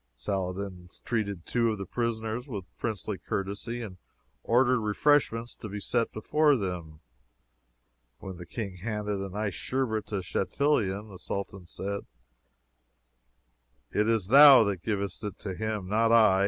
Saladin treated two of the prisoners with princely courtesy, and ordered refreshments to be set before them. When the King handed an iced Sherbet to Chatillon, the Sultan said, "It is thou that givest it to him, not I."